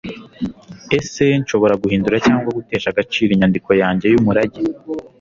ese nshobora guhindura cyangwa gutesha agaciro inyandiko yanjye y'umurage